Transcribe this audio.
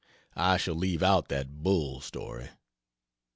I shall leave out that bull story.